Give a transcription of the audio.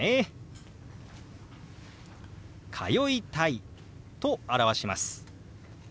「通いたい」と表します。